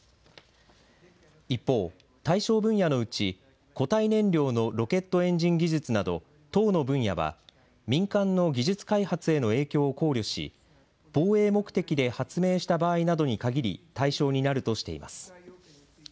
一方、対象分野のうち固体燃料のロケットエンジン技術など１０の分野は民間の技術開発への影響を考慮し防衛目的で発明した場合などに限り対象になるとしています。